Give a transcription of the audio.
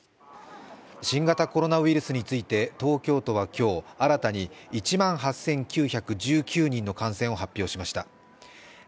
新型コロナウイルスについて、東京都は今日、新たに１万８９１９人の感染を発表しました。